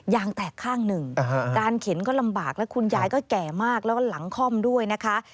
ยางแตกข้างหนึ่งการเข็นก็ลำบากแล้วคุณยายก็แก่มากแล้วก็หลังคล่อมด้วยนะคะ